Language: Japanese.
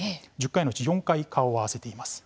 １０回のうち４回顔を合わせています。